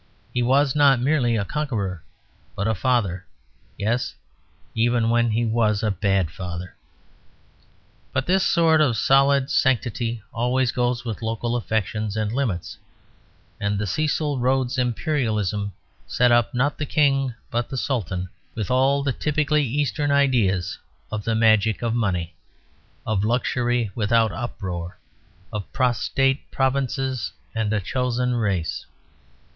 He was not merely a conqueror, but a father yes, even when he was a bad father. But this sort of solid sanctity always goes with local affections and limits: and the Cecil Rhodes Imperialism set up not the King, but the Sultan; with all the typically Eastern ideas of the magic of money, of luxury without uproar; of prostrate provinces and a chosen race.